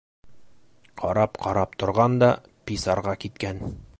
Ҡарап-ҡарап торған да писарға киткән.